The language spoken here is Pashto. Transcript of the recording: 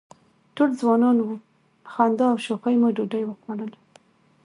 ټول ځوانان وو، په خندا او شوخۍ مو ډوډۍ وخوړله.